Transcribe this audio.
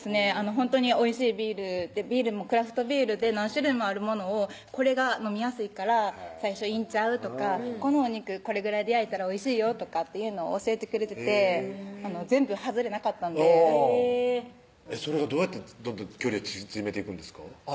ほんとにおいしいビールビールもクラフトビールで何種類もあるものを「これが飲みやすいから最初いいんちゃう？」とか「このお肉これぐらいで焼いたらおいしいよ」とかっていうのを教えてくれてて全部ハズレなかったんでそれがどうやってどんどん距離を縮めていくんですか？